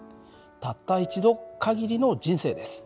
たった一度限りの人生です。